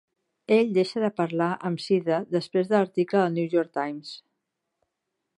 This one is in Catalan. Ell deixa de parlar amb Sidda després de l'article del New York Times.